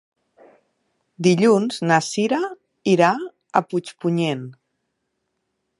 Dilluns na Cira irà a Puigpunyent.